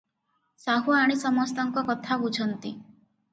ସାହୁଆଣୀ ସମସ୍ତଙ୍କ କଥା ବୁଝନ୍ତି ।